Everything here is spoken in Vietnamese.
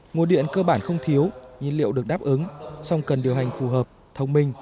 nguồn điện cơ bản không thiếu nhiên liệu được đáp ứng song cần điều hành phù hợp thông minh